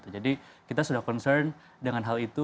jadi kita sudah concern dengan hal itu